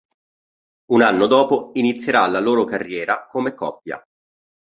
Un anno dopo inizierà la loro carriera come coppia.